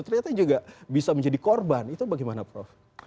ternyata juga bisa menjadi korban itu bagaimana prof